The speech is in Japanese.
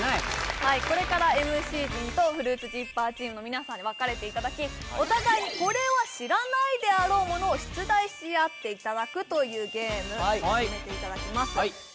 はいこれからＭＣ陣とＦＲＵＩＴＳＺＩＰＰＥＲチームの皆さんに分かれていただきお互いこれは知らないであろうものを出題し合っていただくというゲームを始めていただきます